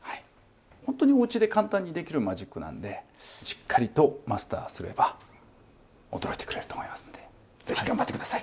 本当におうちで簡単にできるマジックなんでしっかりとマスターすれば驚いてくれると思いますんで是非頑張って下さい。